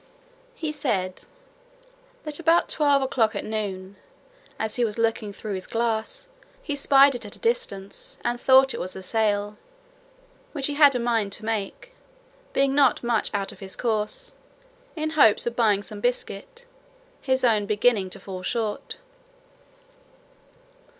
He said "that about twelve o'clock at noon, as he was looking through his glass, he spied it at a distance, and thought it was a sail, which he had a mind to make, being not much out of his course, in hopes of buying some biscuit, his own beginning to fall short.